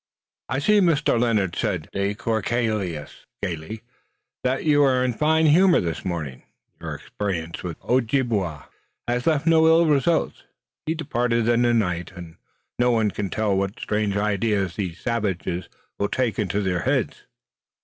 "I see, Mr. Lennox," said de Courcelles gayly, "that you are in a fine humor this morning. Your experience with the Ojibway has left no ill results. He departed in the night. One can never tell what strange ideas these savages will take into their heads."